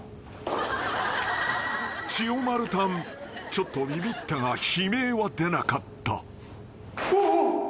ちょっとビビったが悲鳴は出なかった］